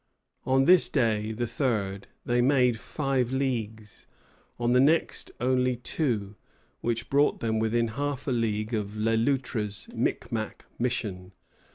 On this day, the 3d, they made five leagues; on the next only two, which brought them within half a league of Le Loutre's Micmac mission.